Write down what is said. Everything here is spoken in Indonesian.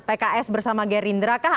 pks bersama gerindra kah